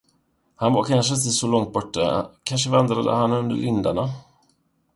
Han var kanske icke så långt borta, kanske vandrade han under lindarna.